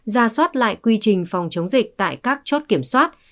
ra soát lại quy trình phòng chống dịch tại các chốt kiểm soát